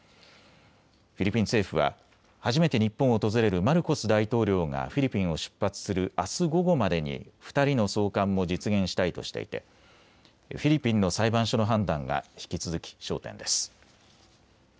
フィリピン政府は初めて日本を訪れるマルコス大統領がフィリピンを出発するあす午後までに２人の送還も実現したいとしていてフィリピンの裁判所の判断が引き続き焦点です。